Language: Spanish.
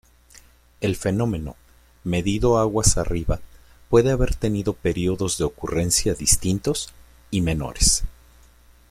El fenómeno, medido aguas arriba, puede haber tenido períodos de ocurrencia distintos -y menores-.